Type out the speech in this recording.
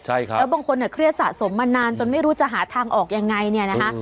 ใช่ครับแล้วบางคนเนี่ยเครียดสะสมมานานจนไม่รู้จะหาทางออกยังไงเนี่ยนะคะ